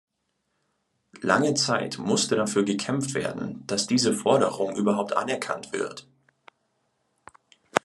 Lange Zeit musste dafür gekämpft werden, dass diese Forderung überhaupt anerkannt wird.